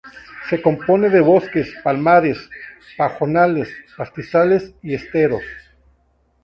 Se compone de bosques, palmares, pajonales, pastizales y esteros.